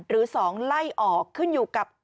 หรือ๒ไล่ออกขึ้นอยู่กับ